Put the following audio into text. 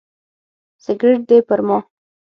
سګرټ دې پر ما.